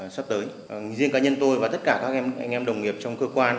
sắp tới riêng cá nhân tôi và tất cả các anh em đồng nghiệp trong cơ quan